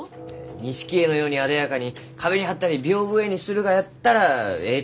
錦絵のようにあでやかに壁に貼ったり屏風絵にするがやったらえいと言われました。